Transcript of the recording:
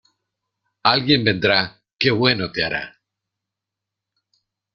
Alguien vendrá que bueno te hará.